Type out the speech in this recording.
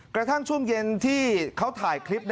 กระทั่งช่วงเย็นที่เขาถ่ายคลิป